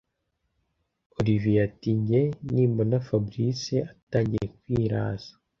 olivier ati”jye nimbona fabric atangiye kwiraza